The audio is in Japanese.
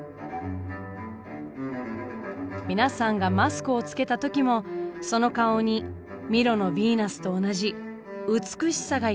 皆さんがマスクをつけた時もその顔にミロのヴィーナスと同じ美しさが宿るのかもしれないのです。